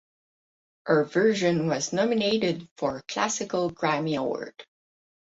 Her version was nominated for a classical Grammy Award.